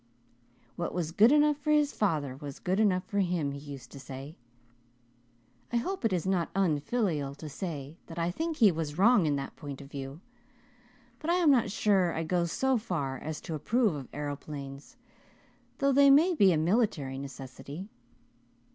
What was good enough for his father was good enough for him, he used to say. I hope it is not unfilial to say that I think he was wrong in that point of view, but I am not sure I go so far as to approve of aeroplanes, though they may be a military necessity.